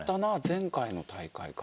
前回の大会かな？